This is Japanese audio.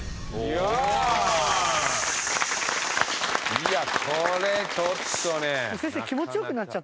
いやこれちょっとね。